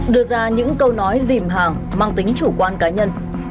đưa ra những câu nói dìm hàng mang tính chủ quan cá nhân